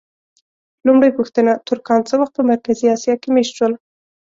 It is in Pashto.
لومړۍ پوښتنه: ترکان څه وخت په مرکزي اسیا کې مېشت شول؟